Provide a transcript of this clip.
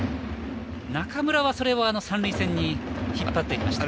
中村はそれを三塁線に引っ張ってきました。